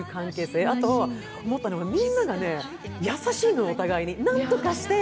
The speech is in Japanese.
それから思ったのがみんなが優しいの、お互いに。